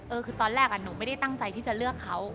คือตอนแรกหนูไม่ได้ตั้งใจที่จะเลือกเขา